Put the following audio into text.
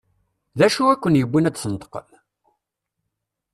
D acu i ken-yewwin ad d-tneṭqem?